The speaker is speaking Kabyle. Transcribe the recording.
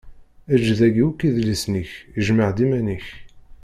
Ejj dagi akk idlisen-ik; jmeɛ-d iman-ik.